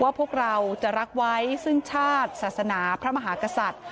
พวกเราจะรักไว้ซึ่งชาติศาสนาพระมหากษัตริย์